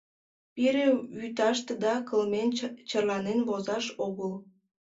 — Пире вӱташтыда кылмен черланен возаш огыл.